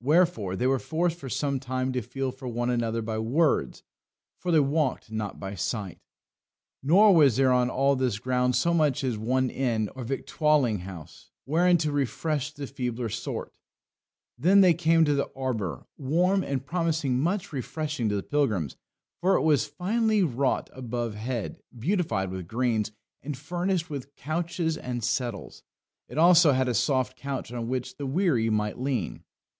Wherefore they were forced for some time to feel for one another by words, for they walked not by sight. Nor was there on all this ground so much as one inn or victualling house wherein to refresh the feebler sort. Then they came to an arbour, warm, and promising much refreshing to the pilgrims, for it was finely wrought above head, beautified with greens, and furnished with couches and settles. It also had a soft couch on which the weary might lean.